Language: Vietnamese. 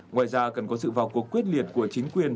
ngoài ra cần có sự vào cuộc quyết liệt của chính quyền